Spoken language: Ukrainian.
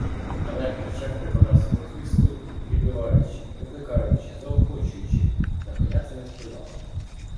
Але, хоч як прикладав свого хисту, підбиваючи, викликаючи, заохочуючи, на коня це не впливало.